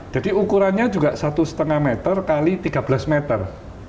jadi ukurannya juga satu lima meter x tiga belas meter